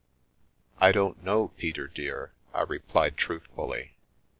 I don't know, Peter dear," I replied, truthfully.